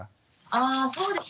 あそうですね